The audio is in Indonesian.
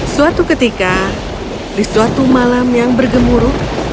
suatu ketika di suatu malam yang bergemuruh